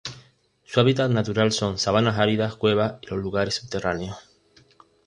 Su hábitat natural son: sabanas áridas, cuevas, y los lugares subterráneos.